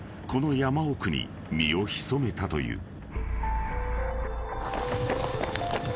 この山奥に身を潜めたという］